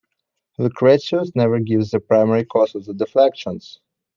Lucretius never gives the primary cause of the deflections.